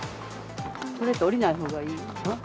これって下りないほうがいい？